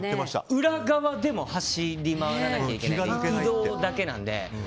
裏側でも走り回らなきゃいけない移動だけなので。